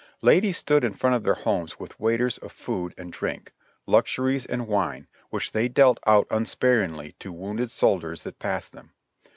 Ladies stood in front of their homes with waiters of food and drink, luxuries and wine, which they dealt out unsparingly to wounded soldiers that passed them.